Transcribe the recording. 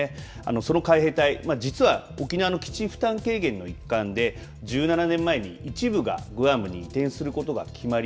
その海兵隊、実は沖縄の基地負担軽減の一環で１７年前に一部がグアムに移転することが決まり